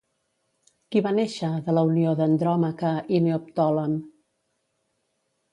Qui va néixer de la unió d'Andròmaca i Neoptòlem?